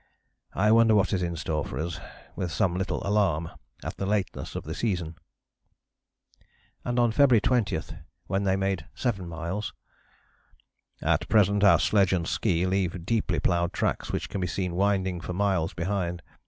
I wonder what is in store for us, with some little alarm at the lateness of the season." And on February 20, when they made 7 miles, "At present our sledge and ski leave deeply ploughed tracks which can be seen winding for miles behind.